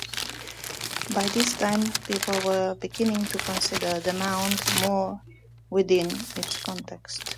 By this time, people were beginning to consider the mound more within its context.